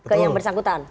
ke yang bersangkutan